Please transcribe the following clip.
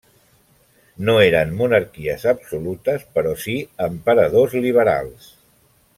No eren monarquies absolutes, però si emperadors liberals.